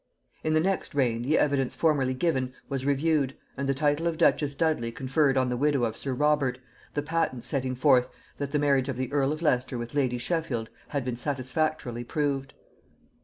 In the next reign the evidence formerly given was reviewed, and the title of duchess Dudley conferred on the widow of sir Robert, the patent setting forth that the marriage of the earl of Leicester with lady Sheffield had been satisfactorily proved.